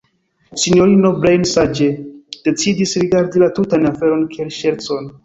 Sinjorino Breine saĝe decidis rigardi la tutan aferon kiel ŝercon.